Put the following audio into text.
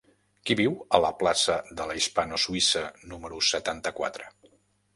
Qui viu a la plaça de la Hispano Suïssa número setanta-quatre?